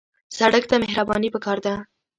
سړک ته مهرباني پکار ده.